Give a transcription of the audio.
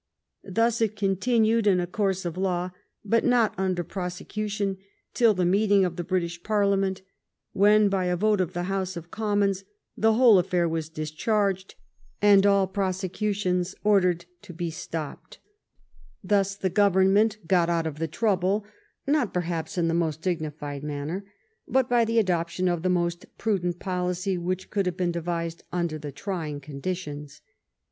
Thus it continued in a course of law, but not under prosecution, till the meeting of the British Parliament, when, by a vote of the House of Commons, the whole affair was discharged, and all prosecutions ordered to be stopped." 276 PIBST PARLIAMENT OF THE UNION Thus the government got out of the trouble, not perhaps in the most dignified manner, but by the adop tion of the most prudent policy which could have been devised under the trying conditions.